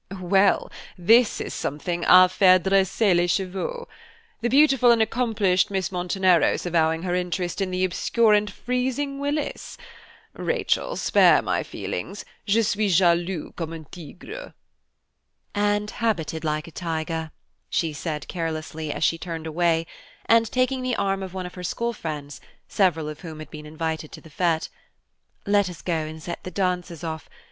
"Well, this is something à faire dresser les cheveux. The beautiful and accomplished Miss Monteneros avowing her interest in the obscure and freezing Willis! Rachel, spare my feelings–je suis jaloux comme un tigre." "And habited like a tiger," she said carelessly, as she turned away; and taking the arm of one of her school friends, several of whom had been invited to the fête, "Let us go and set the dancers off.